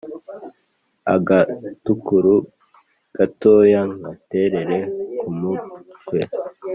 Agatukuru gatoyaNgaterere ku mutwe